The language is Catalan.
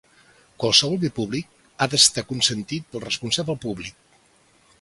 Qualsevol bé públic ha d’estar consentit pel responsable públic.